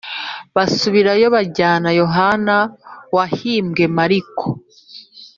basubirayo bajyana Yohana wahimbwe Mariko